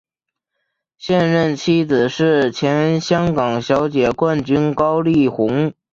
现任妻子是前香港小姐冠军高丽虹。